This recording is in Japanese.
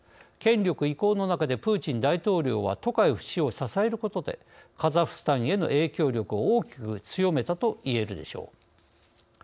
権力移行の中でプーチン大統領はトカエフ氏を支えることでカザフスタンへの影響力を大きく強めたといえるでしょう。